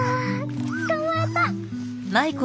つかまえた！